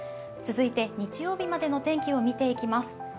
続いて日曜日までの天気を見ていきます。